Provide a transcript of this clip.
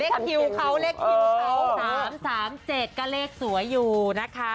คิวเขาเลขคิวเขา๓๓๗ก็เลขสวยอยู่นะคะ